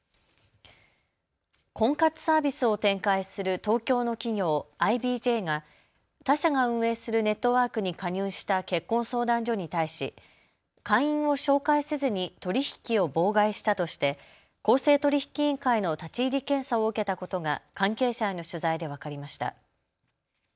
婚活サービスを展開する東京の企業、ＩＢＪが他社が運営するネットワークに加入した結婚相談所に対し会員を紹介せずに取り引きを妨害したとして公正取引委員会の立ち入り検査を受けたことが関係者への取材で分かりました。